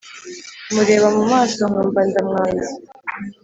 Mureba mumaso nkumva ndamwaye